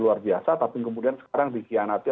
luar biasa tapi kemudian sekarang dikhianati